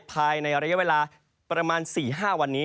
ภายในระยะเวลาประมาณ๔๕วันนี้